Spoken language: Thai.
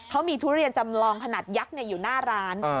เขามีทุเรียนจำลองขนาดยักษ์อยู่หน้าร้าน